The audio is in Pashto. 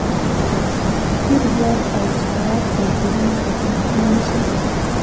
د پېر ځواک او سواد توپیرونه په پام کې ونیسي.